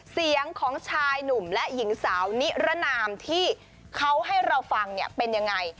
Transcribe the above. เสียงของชายหนุ่มและหญิงสาวนิรนามที่เขาให้เราฟังเนี่ยเป็นยังไง